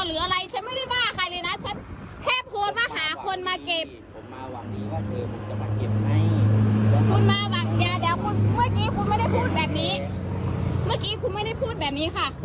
อืม